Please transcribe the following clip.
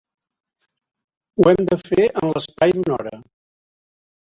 Ho hem de fer en l'espai d'una hora.